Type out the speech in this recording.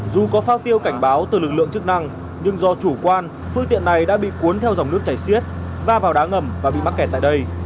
dù có phao tiêu cảnh báo từ lực lượng chức năng nhưng do chủ quan phương tiện này đã bị cuốn theo dòng nước chảy xiết va vào đá ngầm và bị mắc kẹt tại đây